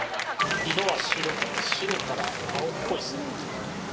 色は白から青っぽいですね。